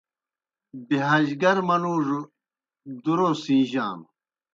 بِہَاج گر منُوڙوْ دُرو سِیݩجانوْ۔